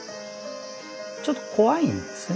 ちょっと怖いんですよね